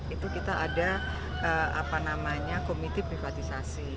itu kita ada komiti privatisasi